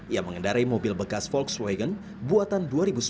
ia mengendarai mobil bekas volkswagen buatan dua ribu sembilan belas